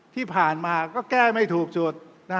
ที่ผ่านมาก็แก้ไม่ถูกสุด